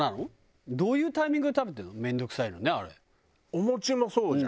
お餅もそうじゃん？